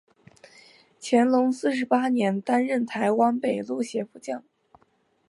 乾隆四十八年担任台湾北路协副将。